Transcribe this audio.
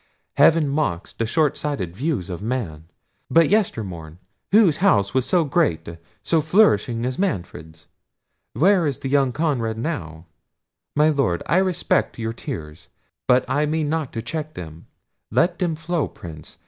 Heaven mocks the short sighted views of man. But yester morn, whose house was so great, so flourishing as Manfred's?—where is young Conrad now?—My Lord, I respect your tears—but I mean not to check them—let them flow, Prince!